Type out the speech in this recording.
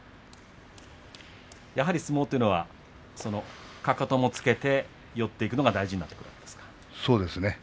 やはり相撲をというのはかかとをつけて寄っていくのが大事なんですね。